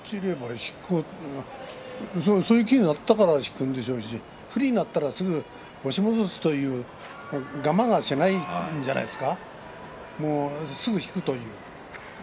そういう気になったから引くんでしょうし不利になったら押し戻すという我慢がないんじゃないですか。